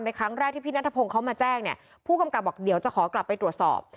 ครั้งแรกที่พี่นัทพงศ์เขามาแจ้งเนี่ยผู้กำกับบอกเดี๋ยวจะขอกลับไปตรวจสอบ